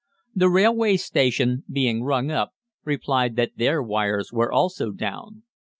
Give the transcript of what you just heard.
The railway station, being rung up, replied that their wires were also down.